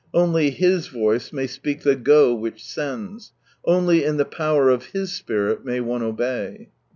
Only His voice may speak the " Go !" which sends. Only in the power of His Spirit may one obey.